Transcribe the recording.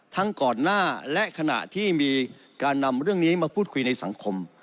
ก่อนหน้าและขณะที่มีการนำเรื่องนี้มาพูดคุยในสังคม